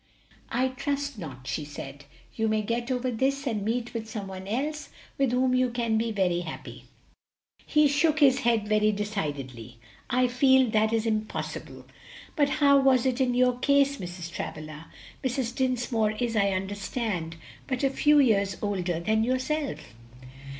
"I trust not," she said; "you may get over this and meet with some one else with whom you can be very happy." He shook his head very decidedly. "I feel that that is impossible. But how was it in your own case, Mrs. Travilla? Mrs. Dinsmore is, I understand, but a few years older than yourself."